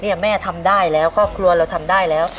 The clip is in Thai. แม่ทำได้แล้วครอบครัวเราทำได้แล้ว